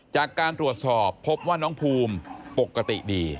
จากการตรวจสอบพบว่าน้องภูมิปกติดี